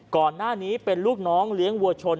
ก่อนหน้านี้เป็นลูกน้องเลี้ยงวัวชน